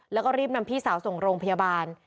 แล้วก็รีบนำพี่สาวส่งโรงพยาบาล